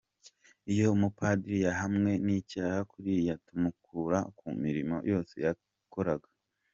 Iyo umupadiri yahamwe n’icyaha kuriya tumukura ku mirimo yose yakoraga.